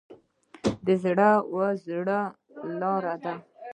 د زړه و زړه لار وي.